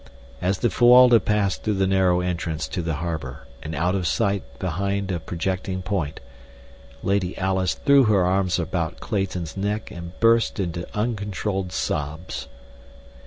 As the Fuwalda passed through the narrow entrance to the harbor and out of sight behind a projecting point, Lady Alice threw her arms about Clayton's neck and burst into uncontrolled sobs.